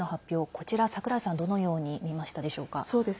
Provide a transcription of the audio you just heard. こちら、櫻井さんはどのようにみましたでしょうか。